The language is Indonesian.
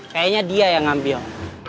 kayaknya dia yang ngambil